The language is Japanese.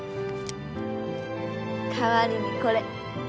代わりにこれ。